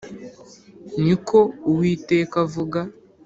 ni ko Uwiteka avuga